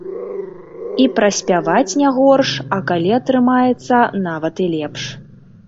І праспяваць не горш, а калі атрымаецца, нават і лепш.